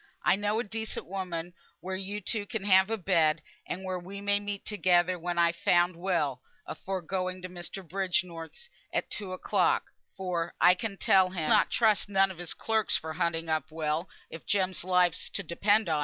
I know a decent woman where yo two can have a bed, and where we may meet together when I've found Will, afore going to Mr. Bridgenorth's at two o'clock; for, I can tell him, I'll not trust none of his clerks for hunting up Will, if Jem's life is to depend on it."